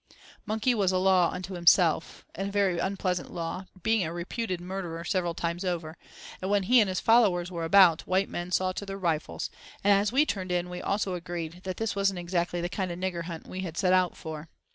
Monkey was a law unto himself, and a very unpleasant law, being a reputed murderer several times over, and when he and his followers were about, white men saw to their rifles; and as we turned in we also agreed "that this wasn't exactly the kind of nigger hunt we had set out for."